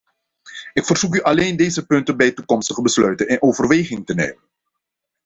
Ik verzoek u alleen deze punten bij toekomstige besluiten in overweging te nemen.